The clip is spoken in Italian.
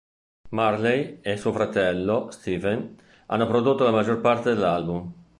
Marley e suo fratello, Stephen, hanno prodotto la maggior parte dell'album.